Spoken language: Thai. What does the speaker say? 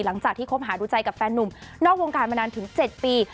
หลังจากที่คบหาดูใจกับแฟนนุ่มนอกวงการมานานถึง๗ปี